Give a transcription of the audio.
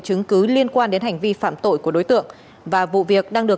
chứng cứ liên quan đến hành vi phạm tội của đối tượng và vụ việc đang được